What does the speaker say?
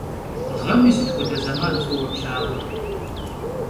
Ğem yi sıt xuede zeman f'ıue plhağur?